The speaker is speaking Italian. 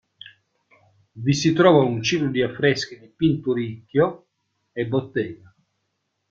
Vi si trova un ciclo di affreschi di Pinturicchio e bottega.